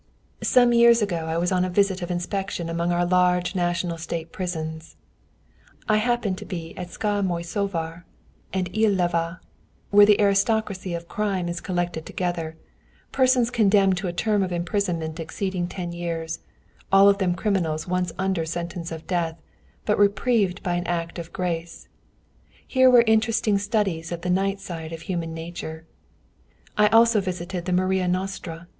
Some years ago I was on a visit of inspection among our large national State prisons. I happened to be at Szamosujvár and Illava, where the aristocracy of crime is collected together, persons condemned to a term of imprisonment exceeding ten years, all of them criminals once under sentence of death, but reprieved by an act of grace. Here were interesting studies of the night side of human nature. I also visited the Maria Nostra.